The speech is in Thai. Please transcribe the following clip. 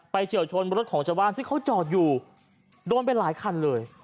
ไปเฉียวชนบริษัทของจวานซึ่งเขาจอดอยู่โดนไปหลายคันเลย